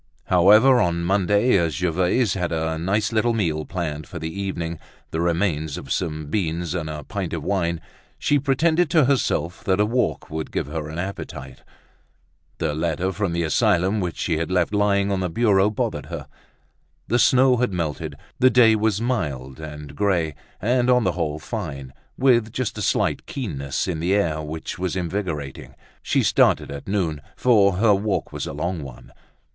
However, on Monday, as Gervaise had a nice little meal planned for the evening, the remains of some beans and a pint of wine, she pretended to herself that a walk would give her an appetite. The letter from the asylum which she had left lying on the bureau bothered her. The snow had melted, the day was mild and grey and on the whole fine, with just a slight keenness in the air which was invigorating. She started at noon, for her walk was a long one.